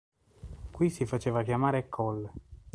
Qui si faceva chiamare "Col.